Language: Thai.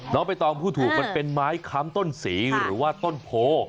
ไม่ต้องพูดถูกมันเป็นไม้ค้ำต้นสีหรือว่าต้นโพ